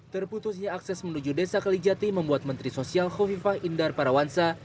terputusnya akses menuju desa kalijati membuat menteri sosial hovifa indah parwasa